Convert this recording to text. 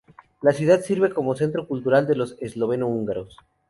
La ciudad sirve como centro cultural de los esloveno-húngaros.